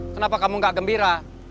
kenapa kamu gak gembira